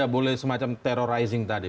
boleh semacam terrorizing tadi